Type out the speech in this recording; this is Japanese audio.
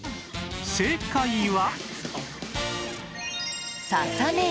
正解は